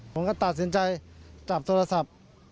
ผมก็ตัดสินใจจับโทรศัพท์